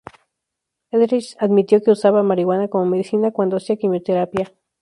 Etheridge admitió que usaba marihuana como medicina cuando hacía quimioterapia.